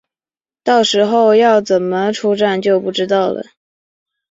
到时候要怎么出站就不知道